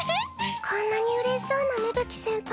こんなにうれしそうな芽吹先輩